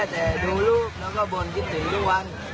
แต่ดูลูกแล้วก็บ่นคิดถึงทุกวัน